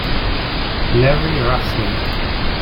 Larry Russell